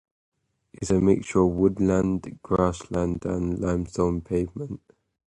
It is a mixture of woodland, grassland and limestone pavement.